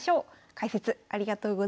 解説ありがとうございました。